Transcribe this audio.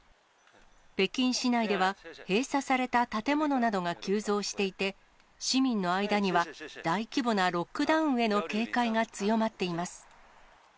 北京市内では、閉鎖された建物などが急増していて、市民の間には大規模なロックダウンへの警戒が強まっています。